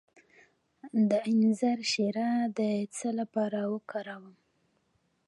د انځر شیره د څه لپاره وکاروم؟